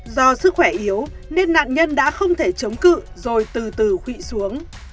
do sức khỏe yếu nên nạn nhân đã không thể chống cự rồi từ từ khụy xuống